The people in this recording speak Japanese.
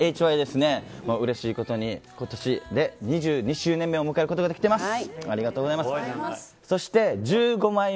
ＨＹ、うれしいことに今年で２２周年目を迎えることができています。